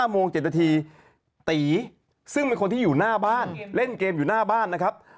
โมง๗นาทีตีซึ่งเป็นคนที่อยู่หน้าบ้านเล่นเกมอยู่หน้าบ้านนะครับ